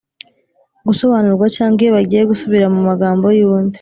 gusobanurwa cyangwa iyo bagiye gusubira mu magambo y‟undi.